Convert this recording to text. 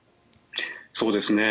そうですね。